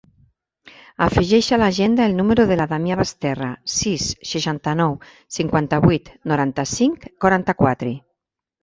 Afegeix a l'agenda el número de la Damià Basterra: sis, seixanta-nou, cinquanta-vuit, noranta-cinc, quaranta-quatre.